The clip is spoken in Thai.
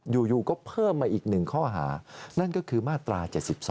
อยู่ก็เพิ่มมาอีก๑ข้อหานั่นก็คือมาตรา๗๒